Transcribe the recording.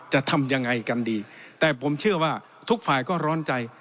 จะทำยังไงกันดีแต่ผมเชื่อว่าทุกฝ่ายก็ร้อนใจ